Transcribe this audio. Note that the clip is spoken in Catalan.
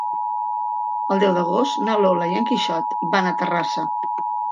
El deu d'agost na Lola i en Quixot van a Terrassa.